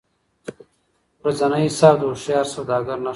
ورځنی حساب د هوښیار سوداګر نښه ده.